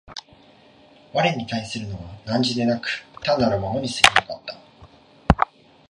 我に対するのは汝でなく、単なる物に過ぎなかった。